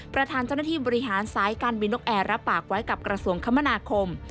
ประธานเจ้าหน้าที่บริหารสายการบินนกแอร์รับปากไว้กับกระทรวงคมนาคม